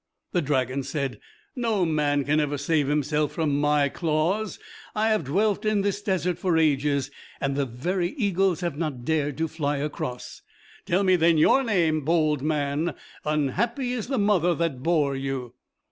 The dragon said, "No man can ever save himself from my claws; I have dwelt in this desert for ages, and the very eagles have not dared to fly across. Tell me then your name, bold man. Unhappy is the mother that bore you."